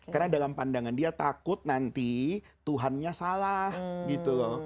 karena dalam pandangan dia takut nanti tuhannya salah gitu loh